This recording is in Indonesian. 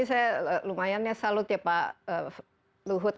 saya lumayan ya salut ya pak luhut